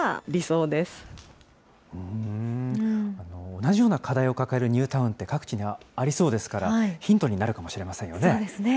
同じような課題を抱えるニュータウンって、各地にありそうですから、ヒントになるかもしれませんよね。